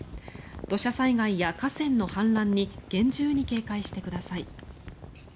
土砂災害や河川の氾濫に厳重に警戒してください。